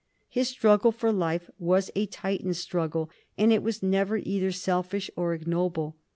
His struggle for life was a Titan's struggle, and it was never either selfish or ignoble.